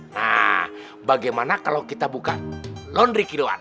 nah bagaimana kalau kita buka laundry kiloan